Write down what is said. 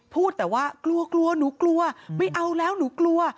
พูดแต่ว่ากลัวกลัวหนูกลัวไม่เอาแล้วหนูกลัว